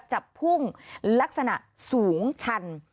จะพุ่งลักษณะสูงชัน